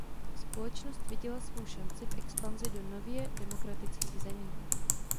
Společnost viděla svou šanci v expanzi do nově demokratických zemí.